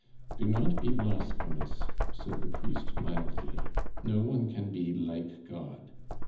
"Do not be blasphemous," said the priest mildly. "No one can be like God.